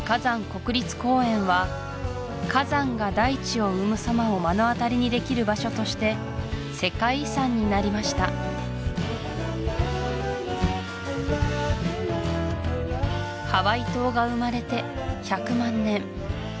国立公園は火山が大地を生むさまを目の当たりにできる場所として世界遺産になりましたハワイ島が生まれて１００万年